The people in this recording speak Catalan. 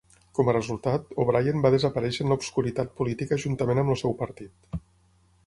Com a resultat, O'Brien va desaparèixer en la obscuritat política juntament amb el seu partit.